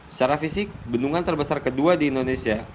secara fisik bendungan terbesar kedua di indonesia